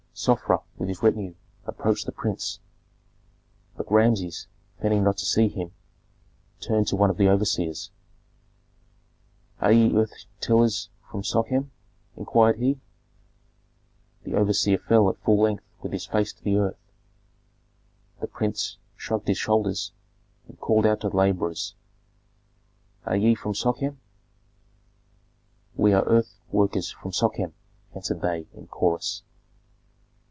Sofra with his retinue approached the prince. But Rameses, feigning not to see him, turned to one of the overseers, "Are ye earth tillers from Sochem?" inquired he. The overseer fell at full length with his face to the earth. The prince shrugged his shoulders, and called out to the laborers, "Are ye from Sochem?" "We are earth workers from Sochem," answered they, in chorus.